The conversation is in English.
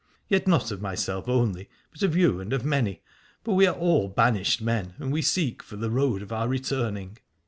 Yet not of myself only, but of you and of many, for we are all banished men, and we seek for the road of our returning.